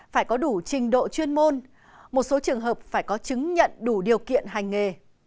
phải có đủ trình độ chuyên môn một số trường hợp phải có chứng nhận đủ điều kiện hành nghề